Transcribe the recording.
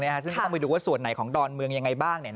นะคะต้องไปดูส่วนไหนของดอนเมือง